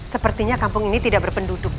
sepertinya kampung ini tidak berpenduduk